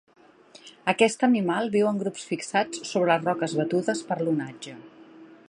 Aquest animal viu en grups fixats sobre les roques batudes per l'onatge.